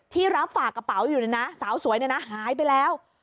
ที่รับฝากกระเป๋าอยู่นะสาวสวยนะหายไปแล้ว